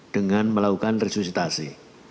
dengan melakukan resusitasi